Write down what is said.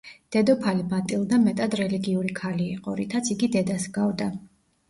დედოფალი მატილდა მეტად რელიგიური ქალი იყო, რითაც იგი დედას ჰგავდა.